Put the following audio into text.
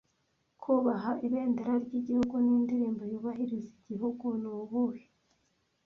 Kubaha Ibendera ry'igihugu n'indirimbo yubahiriza igihugu ni ubuhe